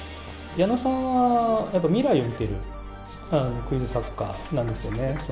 矢野さんはやっぱ未来を見てるクイズ作家なんですよね。